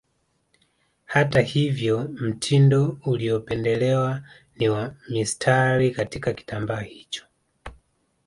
Hata hivyo mtindo uliopendelewa ni wa mistari katika kitambaa hicho